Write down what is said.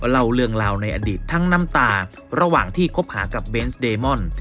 เล่าเรื่องราวในอดีตทั้งน้ำตาระหว่างที่คบหากับเบนส์เดมอน